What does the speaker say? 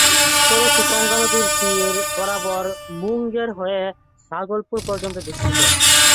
সড়কটি গঙ্গার দক্ষিণ তীর বরাবর মুঙ্গের হয়ে ভাগলপুর পর্যন্ত বিস্তৃত।